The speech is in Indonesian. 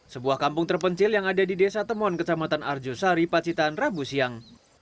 sebuah kampung terpencil yang ada di desa temuan kecamatan arjosari pacitan rabu siang